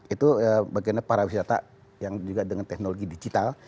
itu bagiannya para wisata yang juga dengan teknologi digital